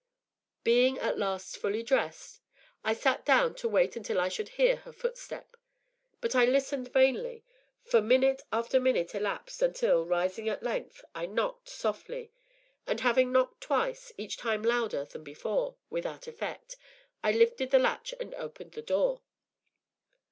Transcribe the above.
Being at last fully dressed, I sat down to wait until I should hear her footstep. But I listened vainly, for minute after minute elapsed until, rising at length, I knocked softly. And having knocked thrice, each time louder than before, without effect, I lifted the latch and opened the door.